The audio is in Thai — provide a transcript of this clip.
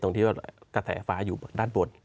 ที่ว่ากระแสฟ้าอยู่ด้านบน